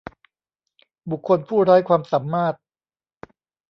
บุคคลผู้ไร้ความสามารถ